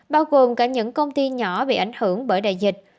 bao gồm cả những công ty nhỏ bị ảnh hưởng bởi đại dịch